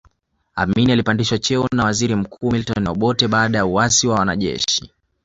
Amin alipandishwa cheo na waziri mkuu Milton Obote baada ya uasi wa wanajeshi